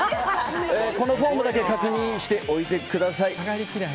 このフォームだけ確認しておいでください。